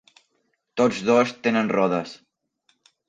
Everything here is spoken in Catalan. Tots dos tenen rodes.